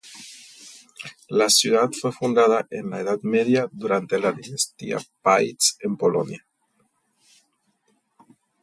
La ciudad fue fundada en la Edad Media durante la dinastía Piast en Polonia.